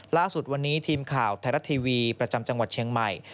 ล่าสุดวันนี้ทีมข่าวไทยรัฐทีวีประจำจังหวัดเชียงใหม่